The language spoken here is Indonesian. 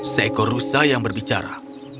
seekor rusa yang berbicara